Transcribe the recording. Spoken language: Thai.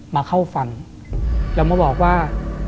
มาเข้าฝันแล้วมาบอกว่า